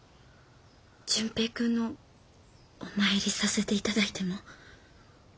純平君のお参りさせて頂いても？